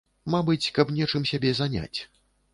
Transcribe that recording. Мабыць, каб нечым сябе заняць.